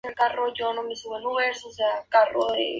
El trabajo resultó ser muy controvertido.